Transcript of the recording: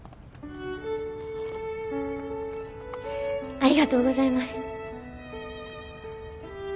ありがとうございます。